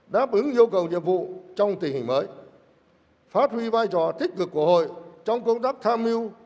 đáp ứng yêu cầu nhiệm vụ trong tình hình mới phát huy vai trò tích cực của hội trong công tác tham mưu